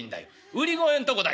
売り声んとこだけ」。